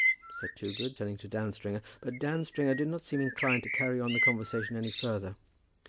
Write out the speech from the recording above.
said Toogood, turning to Dan Stringer. But Dan Stringer did not seem inclined to carry on the conversation any further.